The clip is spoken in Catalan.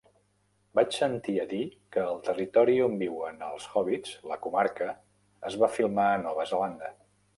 Vaig sentir a dir que el territori on viuen els hòbbits, la Comarca, es va filmar a Nova Zelanda.